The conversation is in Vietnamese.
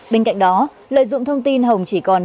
bên cạnh đó lợi dụng thông tin hồng chỉ còn